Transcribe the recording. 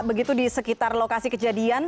begitu di sekitar lokasi kejadian